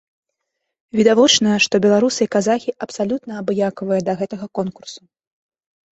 Відавочна, што беларусы і казахі абсалютна абыякавыя да гэтага конкурсу.